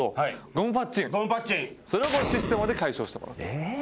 それをシステマで解消してもらう。